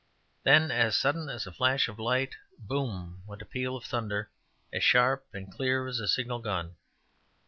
Then, as sudden as a flash of light, "boom!" went a peal of thunder as sharp and clear as a signal gun.